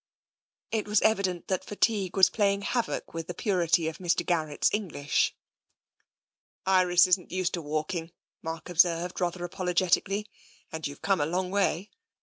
It was evident that fatigue was playing havoc with the purity of Mr. Garrett's English. " Iris isn't used to walking," Mark observed rather apologetically, "and you've come a long way."